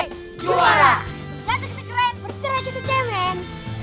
jatuh ke keren bercerai kita cemen